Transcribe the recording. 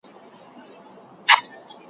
دوه اړخیز درک مهم دی.